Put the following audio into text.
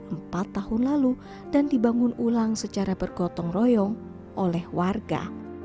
empat tahun lalu dan dibangun ulang secara bergotong royong oleh warga